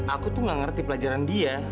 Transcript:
aku tuh gak ngerti pelajaran dia